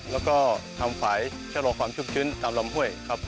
แล้วก็ทำฝ่ายชะลอความชุ่มชื้นตามลำห้วยครับ